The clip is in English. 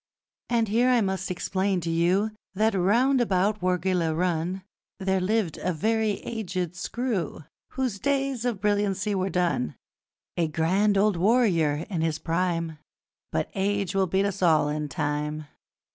And here, I must explain to you That, round about Wargeilah run, There lived a very aged screw Whose days of brilliancy were done: A grand old warrior in his prime But age will beat us all in time.